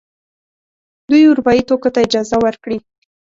دوی اروپايي توکو ته اجازه ورکړي.